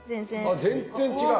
あ全然違う。